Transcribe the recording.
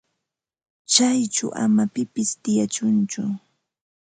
Chayćhu ama pipis tiyachunchu.